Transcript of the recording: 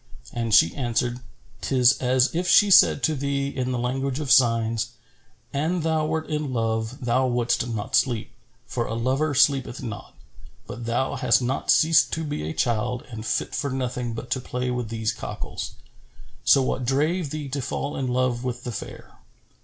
And she answered, " 'Tis as if she said to thee, in the language of signs,[FN#414] 'An thou wert in love, thou wouldst not sleep, for a lover sleepeth not: but thou hast not ceased to be a child and fit for nothing but to play with these cockals. So what drave thee to fall in love with the fair?'